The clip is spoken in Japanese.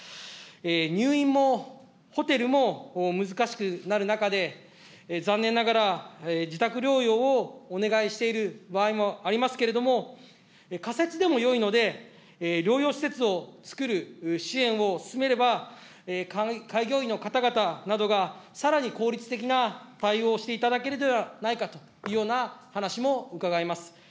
入院も、ホテルも難しくなる中で、残念ながら自宅療養をお願いしている場合もありますけれども、仮設でもよいので療養施設を作る支援を進めれば、開業医の方々などがさらに効率的な対応をしていただけるのではないかというような話も伺います。